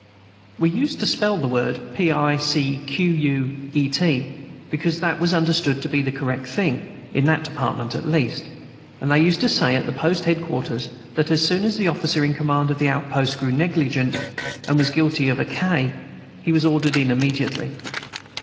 We used to spell the word picquet, because that was understood to be the correct thing, in that Department at least; and they used to say at post head quarters that as soon as the officer in command of the outposts grew negligent, and was guilty of a k, he was ordered in immediately.